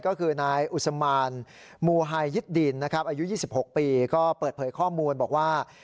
ก็คือนายอุศมานมูไฮยิดดินนะครับอายุ๒๖ปีก็เปิดเผยข้อมูลบอกว่า